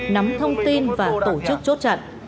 nắm thông tin và tổ chức chốt chặn